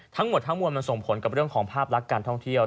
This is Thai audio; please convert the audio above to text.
ทั้งหมดทั้งมวลมันส่งผลกับเรื่องของภาพลักษณ์การท่องเที่ยว